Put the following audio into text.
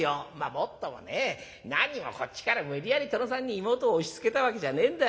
もっともね何もこっちから無理やり殿さんに妹を押しつけたわけじゃねえんだ。